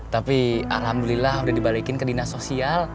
tapi alhamdulillah udah dibalikin ke dinas sosial